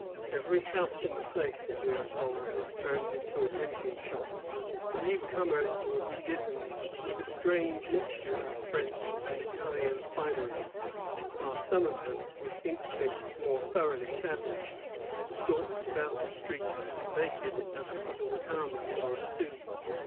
Every house in the place, we are told, was turned into a drinking shop. The new comers were bedizened with a strange mix ture of French and Indian finery; while some of them, with instincts more thoroughly savage, stalked about the streets as naked as a Pottawattamie or a Sioux.